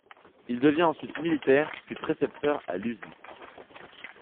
Il devient ensuite militaire, puis précepteur à Luzy.